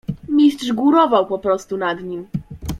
"Mistrz górował poprostu nad nim."